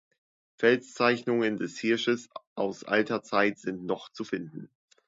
Felszeichnungen des Hirsches aus alter Zeit sind noch zu finden.